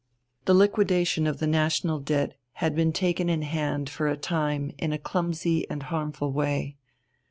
The liquidation of the national debt had been taken in hand for a time in a clumsy and harmful way.